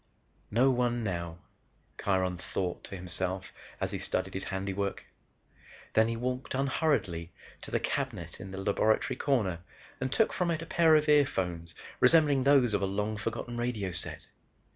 "No one now," Kiron thought to himself as he studied his handiwork. Then he walked unhurriedly to the cabinet in the laboratory corner and took from it a pair of earphones resembling those of a long forgotten radio set.